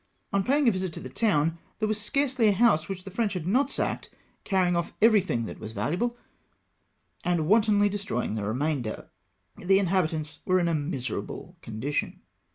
On paying a visit to the town, there was scarcely a house which the French had not sacked, carrying off everything that was valuable, GIVE THE SPANIARDS A LESSON. 261 and wantonly destroying the remainder. The inhabi tants were in a miserable condition.